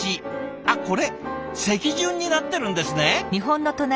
あっこれ席順になってるんですね！